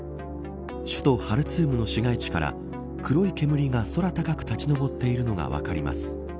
首都ハルツームの市街地から黒い煙が空高く立ち上っているのが分かります。